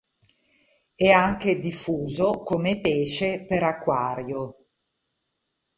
È anche diffuso come pesce per acquario.